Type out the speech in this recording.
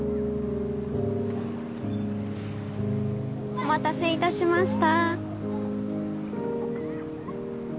お待たせいたしました。